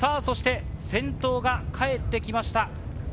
先頭が帰ってきました。